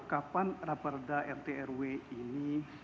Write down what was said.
kapan raperda rt rw ini